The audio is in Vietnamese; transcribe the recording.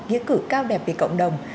nghĩa cử cao đẹp về cộng đồng